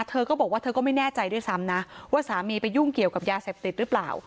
เธอก็บอกว่าเธอก็ไม่แน่ใจด้วยซ้ำนะว่าสามีไปยุ่งเกี่ยวกับยาเสพติดหรือเปล่า